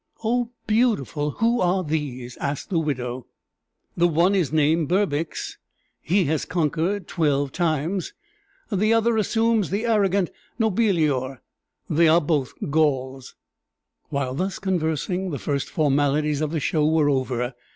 "Oh, beautiful! Who are these?" asked the widow. "The one is named Berbix: he has conquered twelve times. The other assumes the arrogant Nobilior. They are both Gauls." While thus conversing, the first formalities of the show were over.